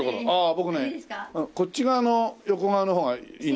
僕ねこっち側の横顔の方がいいんですよ。